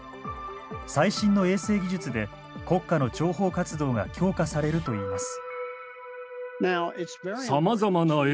最新の衛星技術で国家の諜報活動が強化されるといいます。